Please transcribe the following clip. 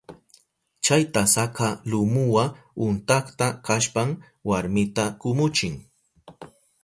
Chay tasaka lumuwa untakta kashpan warmita kumuchin.